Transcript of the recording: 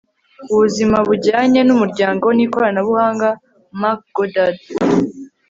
ubuzima bujyanye n'umuryango n'ikoranabuhanga. - mark goddard